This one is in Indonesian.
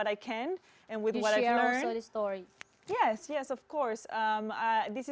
tentu saja saya ingin membantu dengan apa yang saya bisa